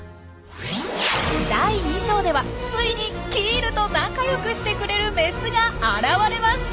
第２章ではついにキールと仲良くしてくれるメスが現れます。